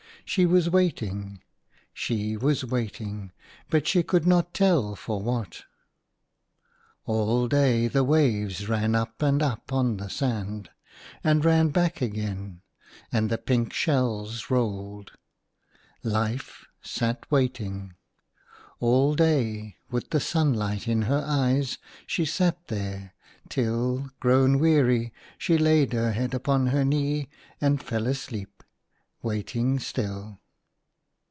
She was waiting — she was waiting ; but she could not tell for what All day the waves ran up and up on the sand, and ran back again, and the pink shells rolled. Life sat waiting ; all day, with the sunlight in her eyes, she 14 THE LOST JOY. sat there, till, grown weary, she laid her head upon her knee and fell asleep, waiting still.